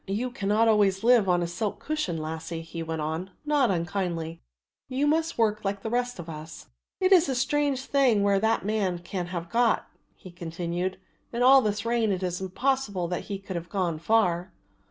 "You cannot always live on a silk cushion, lassie," he went on, not unkindly, "you must work like the rest of us." "It is a strange thing where that man can have got," he continued; "in all this rain it is impossible that he can have gone far."